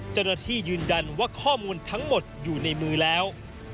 เจ้าหน้าที่ยืนยันว่าข้อมูลทั้งหมดอยู่ในมือแล้ว